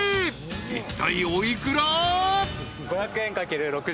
［いったいお幾ら？］